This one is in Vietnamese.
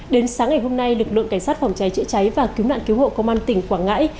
đến sáng ngày hôm nay lực lượng cảnh sát phòng cháy chữa cháy và cứu nạn cứu hộ công an tỉnh quảng ngãi